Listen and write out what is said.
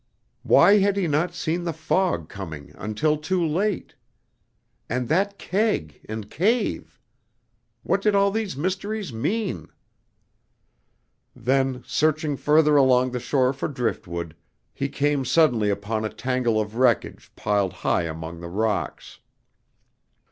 Why had he not seen the fog coming until too late? And that keg and cave! what did all these mysteries mean? Then, searching further along the shore for driftwood, he came suddenly upon a tangle of wreckage piled high among the rocks.